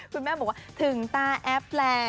คุณแม่บอกว่าถึงตาแอปแล้ว